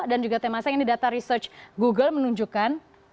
dan juga temasa ini data research google menunjukkan